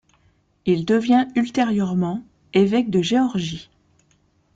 Il devient ultérieurement évêque de Géorgie.